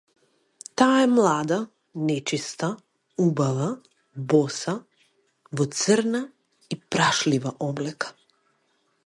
Таа е млада, нечиста убава, боса, во црна и прашлива облека.